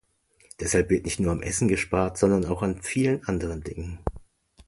Deshalb wird nicht nur am Essen gespart, sondern auch an vielen anderen Dingen.